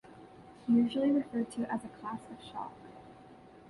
Usually referred to as a "class" of shock.